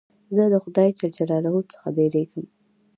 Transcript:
زه د خدای جل جلاله څخه بېرېږم.